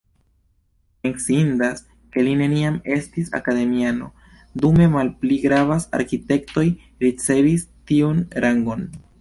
Menciindas, ke li neniam estis akademiano, dume malpli gravas arkitektoj ricevis tiun rangon.